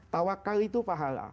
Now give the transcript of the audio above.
tawakkal itu pahala